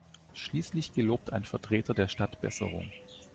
Schließlich gelobt ein Vertreter der Stadt Besserung.